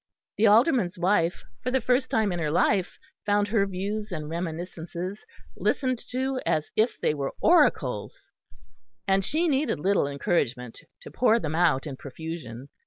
The Alderman's wife, for the first time in her life, found her views and reminiscences listened to as if they were oracles, and she needed little encouragement to pour them out in profusion.